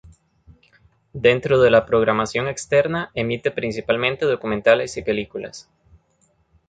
Dentro de la programación externa, emite principalmente documentales y películas.